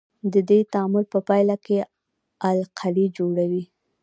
د دې تعامل په پایله کې القلي جوړوي.